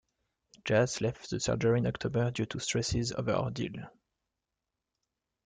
Jas left the surgery in October due to the stresses of her ordeal.